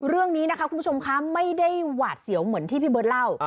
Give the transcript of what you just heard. เรื่องนี้นะคะคุณผู้ชมคะไม่ได้หวาดเสียวเหมือนที่พี่เบิร์ตเล่า